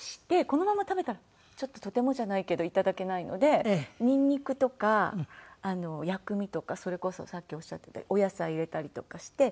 このまま食べたらちょっととてもじゃないけどいただけないのでニンニクとか薬味とかそれこそさっきおっしゃってたお野菜入れたりとかして。